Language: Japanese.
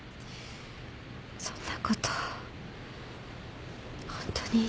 そんなことホントに言ったの？